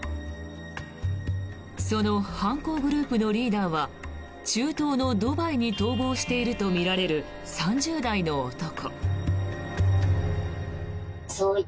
その犯行グループのリーダーは中東のドバイに逃亡しているとみられる３０代の男。